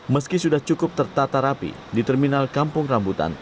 meski sudah cukup tertata rapi di terminal kampung rambutan